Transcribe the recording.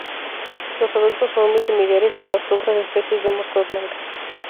Los adultos son muy similares a otras especies de moscas blancas.